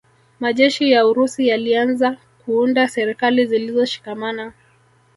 Majeshi ya Urusi yalianza kuunda serikali zilizoshikamana